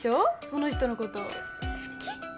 その人のこと好き？